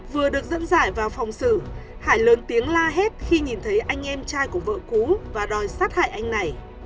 vừa được dẫn giải vào phòng xử hải lớn tiếng la hét khi nhìn thấy anh em trai của vợ cũ và đòi sát hại anh này